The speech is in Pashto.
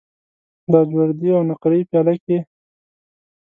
په لاجوردی او نقره یې پیاله کې